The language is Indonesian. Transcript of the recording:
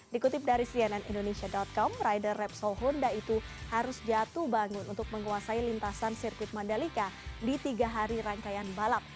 dikutip dari cnn indonesia com rider repsol honda itu harus jatuh bangun untuk menguasai lintasan sirkuit mandalika di tiga hari rangkaian balap